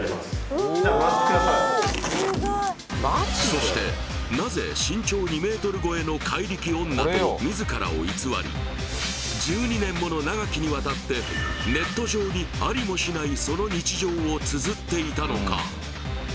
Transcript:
そしてなぜ身長２ｍ超えの怪力女と自らを偽り１２年もの長きにわたってネット上にありもしないその日常をつづっていたのか？